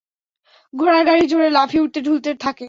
ঘোড়ার গাড়ি জোরে লাফিয়ে উঠে ঢুলতে থাকে।